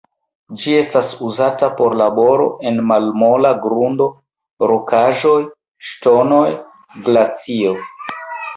Ĝi estas uzata por laboro en malmola grundo, rokaĵoj, ŝtonoj, glacio.